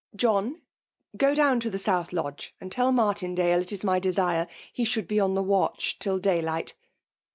John, go down to the South Lodge, and tell Martindale it is my de« sire he should be on the watch till daylight.'